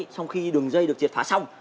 trong khi đường dây được triệt phá xong